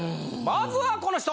まずはこの人！